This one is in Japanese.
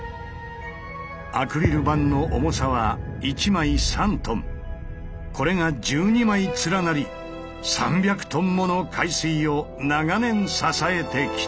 アクリル板の重さはこれが１２枚連なり３００ｔもの海水を長年支えてきた。